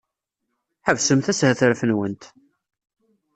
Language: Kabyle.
Ḥebsemt ashetref-nwent!